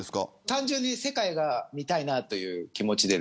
単純に世界が見たいなという気持ちで。